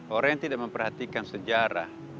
orang yang tidak memperhatikan sejarah